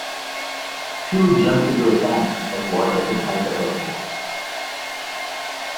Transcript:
She would jump into an tank of water from a height of or more.